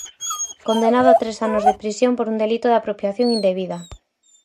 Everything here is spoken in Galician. Condenado a tres anos de prisión por un delito de apropiación indebida.